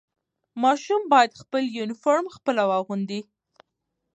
ماشوم باید خپل یونیفرم خپله واغوندي.